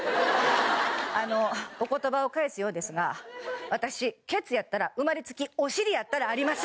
あのお言葉を返すようですが私ケツやったら生まれつきお尻やったらあります！